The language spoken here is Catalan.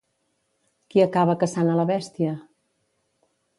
Qui acaba caçant a la bèstia?